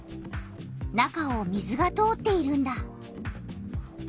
中を水が通っているんだ。